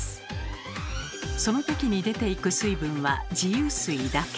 その時に出ていく水分は自由水だけ。